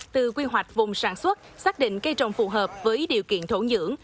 từ quy hoạch vùng sản xuất xác định cây trồng phù hợp với điều kiện thổn dưỡng